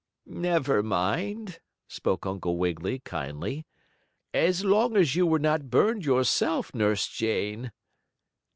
"Never mind," spoke Uncle Wiggily, kindly, "as long as you were not burned yourself, Nurse Jane."